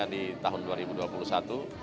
ketika ini kita juga akan mencari juggling yang berbeda